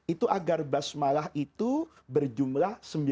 itu agar basmalah itu berjumlah sembilan puluh